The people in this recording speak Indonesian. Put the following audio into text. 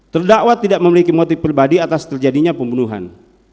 terdakwa tidak memiliki motif pribadi atas terjadinya pembunuhan